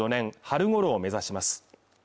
春ごろを目指します